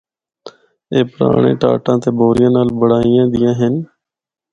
اے پرانڑے ٹاٹاں تے بوریاں نال بنڑائیاں دیّاں ہن۔